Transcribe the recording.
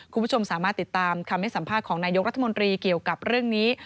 คุณผู้ชมสามารถติดตามคำให้สัมภาษณ์ของนายกรัฐมนตรีเกี่ยวกับเรื่องนี้